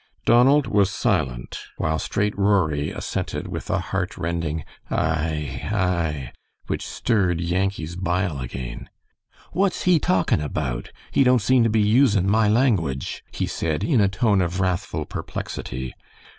Donald was silent, while Straight Rory assented with a heartrending "Aye, aye," which stirred Yankee's bile again. "What's he talkin' about? He don't seem to be usin' my language," he said, in a tone of wrathful perplexity.